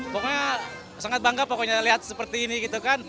pokoknya sangat bangga pokoknya lihat seperti ini gitu kan